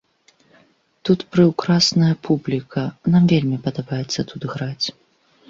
Тут прыўкрасная публіка, нам вельмі падабаецца тут граць.